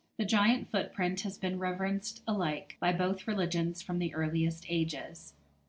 The giant footprint has been reverenced alike by both religions from the earliest ages.